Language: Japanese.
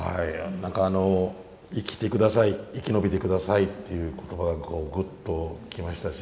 何かあの生きて下さい生き延びて下さいっていう言葉がグッときましたし